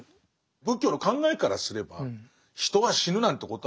仏教の考えからすれば人が死ぬなんてことは僕も知ってます。